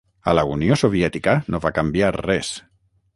A la Unió Soviètica no va canviar res.